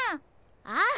ああ。